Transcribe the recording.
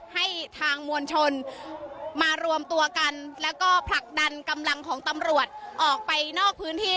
ให้ทางมวลชนมารวมตัวกันแล้วก็ผลักดันกำลังของตำรวจออกไปนอกพื้นที่